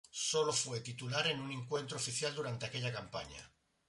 Solo fue titular en un encuentro oficial durante aquella campaña.